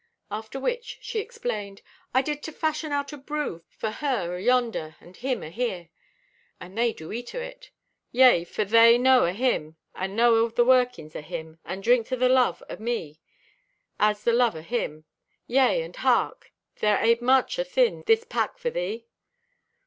After which she explained: "I did to fashion out a brew for her ayonder and him ahere. And they did eat o' it. Yea, for they know o' Him and know o' the workings o' Him and drinked o' the love o' me as the love o' Him. Yea, and hark, there abe much athin this pack for thee."